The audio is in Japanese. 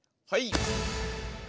はい！